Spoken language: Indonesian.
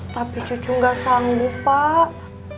tapi cucu nggak sanggup pak